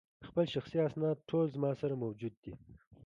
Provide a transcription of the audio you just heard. خپل شخصي اسناد ټول زما سره موجود دي.